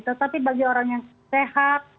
tetapi bagi orang yang sehat